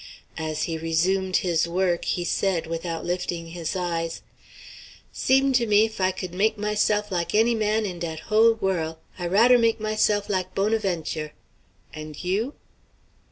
As he resumed his work, he said, without lifting his eyes: "Seem' to me 'f I could make myself like any man in dat whole worl', I radder make myself like Bonaventure. And you?"